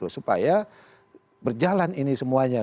supaya berjalan ini semuanya